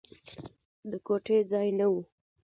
د ګوتې ځای نه و.